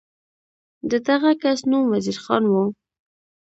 د دغه کس نوم وزیر خان و.